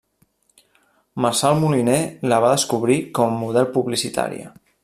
Marçal Moliner la va descobrir com a model publicitària.